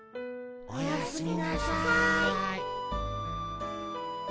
おやすみなさい。